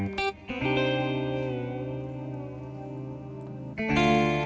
gak malahan sih